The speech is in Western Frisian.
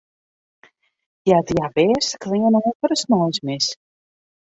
Hja die har bêste klean oan foar de sneinsmis.